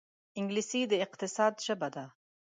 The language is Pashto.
انګلیسي د اقتصاد ژبه ده